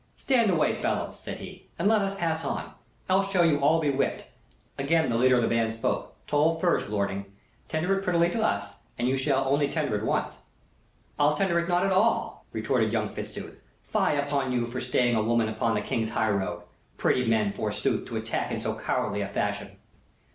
"Stand away, fellows," said he, "and let us pass on. Else shall you all be whipped." Again the leader of the band spoke. "Toll first, lording; tender it prettily to us, and you shall only tender it once." "I'll tender it not at all," retorted young Fitzooth. "Fie upon you for staying a woman upon the King's highroad! Pretty men, forsooth, to attack in so cowardly a fashion!"